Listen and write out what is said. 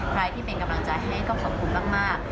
ใครที่เป็นกำลังใจให้ก็ขอบคุณมาก